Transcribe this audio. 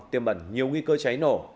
tiêm bẩn nhiều nguy cơ cháy nổ